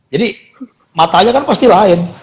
jadi mata aja kan pasti lain